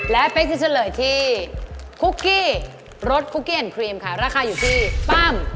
แล้วไปสิเฉลยที่คุกกี้รสคุกกี้แอนด์ครีมค่ะราคาอยู่ที่ปั้ม๗๒๙